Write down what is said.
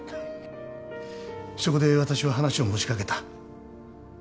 そこで私は話を持ち掛けた。